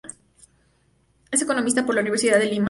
Es economista por la Universidad de Lima.